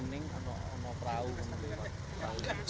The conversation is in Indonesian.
ini kan nggak ada